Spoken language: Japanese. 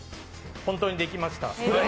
本当にできました。